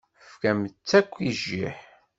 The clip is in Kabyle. Tefkam-tt akk i jjiḥ.